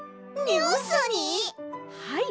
はい。